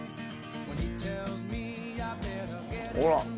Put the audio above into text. ほら。